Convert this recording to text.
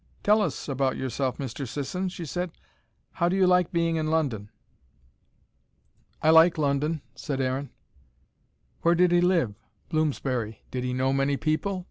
"Tell us about yourself, Mr. Sisson," she said. "How do you like being in London?" "I like London," said Aaron. Where did he live? Bloomsbury. Did he know many people?